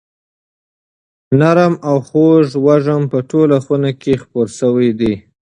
نرم او خوږ وږم په ټوله خونه کې خپور شوی دی.